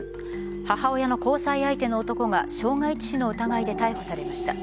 母親の交際相手の男が傷害致死の疑いで逮捕されました。